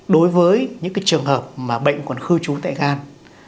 đối với những trường hợp mà bệnh còn khư trú tại gan